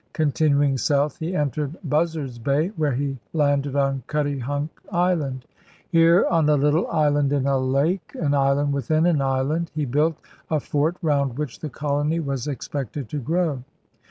Continuing south he entered Buzzard's Bay, where he landed on Cutty hunk Island. Here, on a little island in a lake — THE VISION OF THE WEST 217 an island within an island — he built a fort round which the colony was expected to grow.